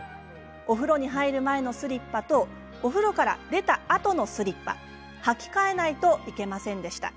お風呂に入る前のスリッパとお風呂から出たあとのスリッパ履き替えないといけませんでした。